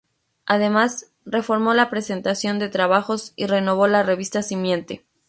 Además, reformó la presentación de trabajos y renovó la revista Simiente.